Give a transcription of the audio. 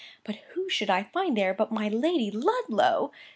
But who should I find there but my Lady Ludlow!